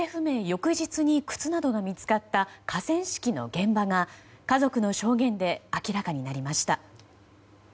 翌日に靴などが見つかった河川敷の現場が家族の証言で明らかになりました。